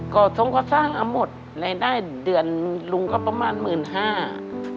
ก่อนสร้างอ่ะหมดในได้เดือนลุงก็ประมาณ๑๕๐๐๐บาท